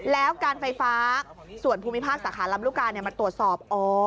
แล้วการไฟฟ้าส่วนภูมิภาคสาขาลำลูกกามาตรวจสอบ